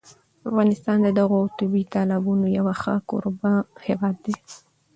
افغانستان د دغو طبیعي تالابونو یو ښه کوربه هېواد دی.